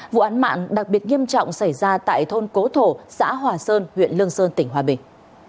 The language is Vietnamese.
vụ án mạng đặc biệt nghiêm trọng xảy ra tại thôn cố thổ xã hòa sơn huyện lương sơn tỉnh hòa bình